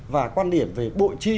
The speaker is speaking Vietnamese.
và quan điểm về bội chi